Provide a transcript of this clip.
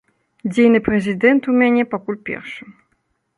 Дзейны прэзідэнт у мяне пакуль першы.